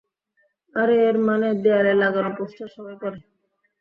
আরে এর মানে, দেয়ালে লাগানো পোস্টার সবাই পড়ে।